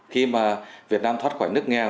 khi mà việt nam thoát khỏi nước nga